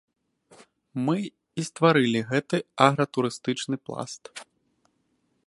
Мы і стварылі гэты агратурыстычны пласт.